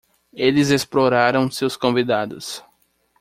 Eles exploraram seus convidados.